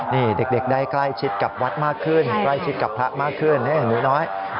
นี่เด็กได้ใกล้ชิดกับวัดมากขึ้นใกล้ชิดกับพระมากขึ้นอย่างหนูน้อย